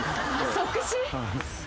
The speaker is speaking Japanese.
即死？